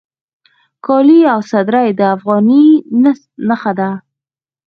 کالي او صدرۍ د افغاني نښه ده